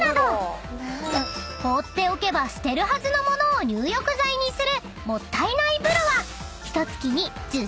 ［放っておけば捨てるはずの物を入浴剤にするもったいない風呂は］